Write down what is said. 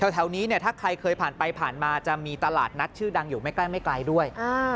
แถวนี้เนี่ยถ้าใครเคยผ่านไปผ่านมาจะมีตลาดนัดชื่อดังอยู่ไม่ใกล้ไม่ไกลด้วย